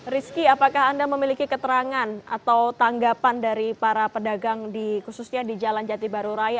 rizky apakah anda memiliki keterangan atau tanggapan dari para pedagang khususnya di jalan jati baru raya